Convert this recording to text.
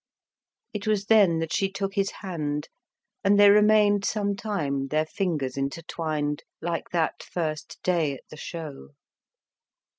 It was then that she took his hand, and they remained some time, their fingers intertwined, like that first day at the Show.